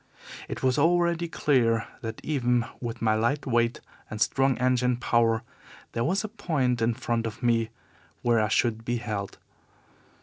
It was already clear that even with my light weight and strong engine power there was a point in front of me where I should be held.